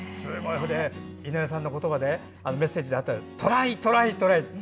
井上さんのメッセージであったトライ、トライ、トライ！って